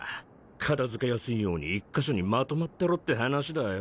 片付けやすいように１か所にまとまってろって話だよ。